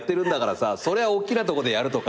そりゃおっきなとこでやるとか。